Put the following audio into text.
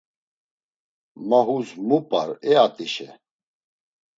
Ma hus mu p̌ar e at̆işe!